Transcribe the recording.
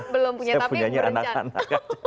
belum punya tapi yang berencana